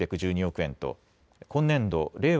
円と今年度令和